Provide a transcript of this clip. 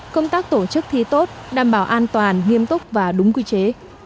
công tác tổ chức thi tốt đảm bảo an toàn nghiêm túc và đúng quy chế